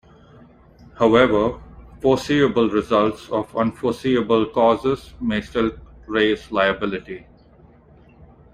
However, foreseeable results of unforeseeable causes may still raise liability.